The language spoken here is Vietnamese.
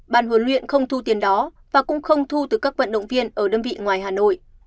bàn huấn luyện không thu tiền đó và cũng không thu từ các vận động viên ở đơn vị ngoài hà nội